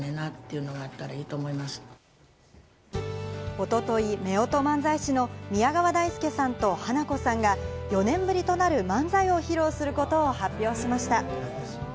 一昨日、夫婦漫才師の宮川大助さんと花子さんが４年ぶりとなる漫才を披露することを発表しました。